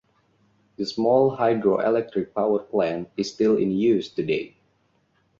The small hydroelectric power plant is still in use today.